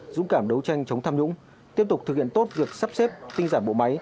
dũng cảm đấu tranh chống tham nhũng tiếp tục thực hiện tốt việc sắp xếp tinh giản bộ máy